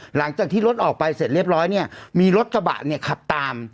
หลังจากที่รถออกไปเสร็จเรียบร้อยเนี่ยมีรถกระบะเนี่ยขับตาม